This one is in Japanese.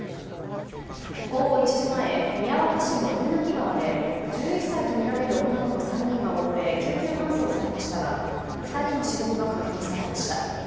午後１時前、宮若市の犬鳴川で１１歳とみられる女の子３人が溺れ救急搬送されましたが２人の死亡が確認されました。